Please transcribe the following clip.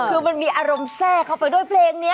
คือมันมีอารมณ์แทรกเข้าไปด้วยเพลงนี้